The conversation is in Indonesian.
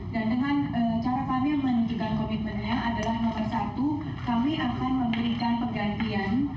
dan dengan cara kami menunjukkan komitmennya adalah nomor satu kami akan memberikan penggantian